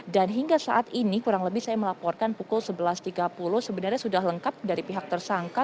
dan hingga saat ini kurang lebih saya melaporkan pukul sebelas tiga puluh sebenarnya sudah lengkap dari pihak tersangka